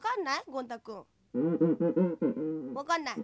ゴン太くん。わかんない？